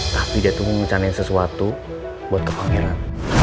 tapi dia tuh mau mencanai sesuatu buat ke pangeran